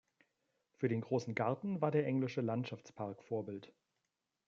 Für den großen Garten war der Englische Landschaftspark Vorbild.